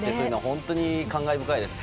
本当に感慨深いです。